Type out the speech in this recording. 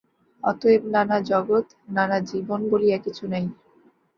অতএব নানা জগৎ, নানা জীবন বলিয়া কিছু নাই।